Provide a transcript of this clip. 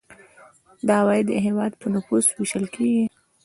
دا عواید د هیواد په نفوس ویشل کیږي.